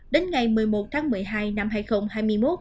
đến ngày một mươi một tháng một mươi hai năm hai nghìn hai mươi một